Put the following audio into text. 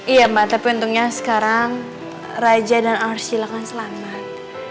iya mbak tapi untungnya sekarang raja dan arsila akan selamat